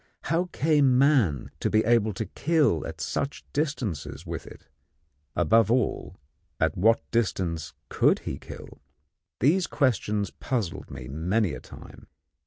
How came man to be able to kill at such distances with it? Above all, at what distance could he kill? These questions puzzled me many a time.